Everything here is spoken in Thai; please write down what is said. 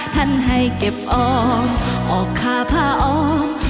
ท่านให้เก็บอองออกข้าพ่อออง